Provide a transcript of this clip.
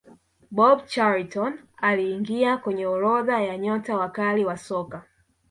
bobby charlton aliingia kwenye orodha ya nyota wakali wa soka